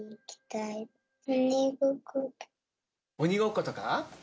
鬼ごっことか？